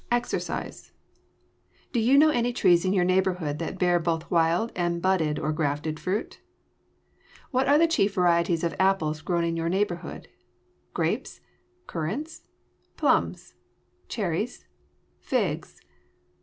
=EXERCISE= Do you know any trees in your neighborhood that bear both wild and budded or grafted fruit? What are the chief varieties of apples grown in your neighborhood? grapes? currants? plums? cherries? figs?